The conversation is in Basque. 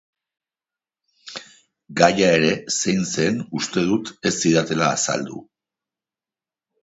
Gaia ere zein zen uste dut ez zidatela azaldu.